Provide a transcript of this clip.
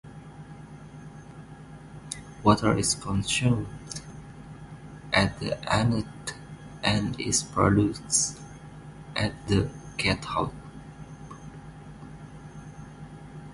Water is consumed at the anode and is produced at the cathode.